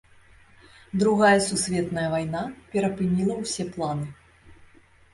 Другая сусветная вайна перапыніла ўсе планы.